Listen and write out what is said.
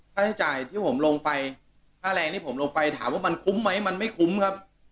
ค่าใช้จ่ายที่ผมลงไปค่าแรงที่ผมลงไปถามว่ามันคุ้มไหมมันไม่คุ้มครับ